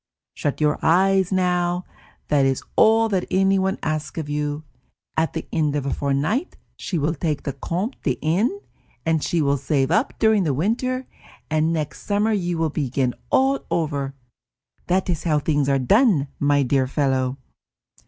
Shut your eyes now; that is all that anyone asks of you. At the end of a fortnight she will take the Comte de N., and she will save up during the winter, and next summer you will begin over again. That is how things are done, my dear fellow!"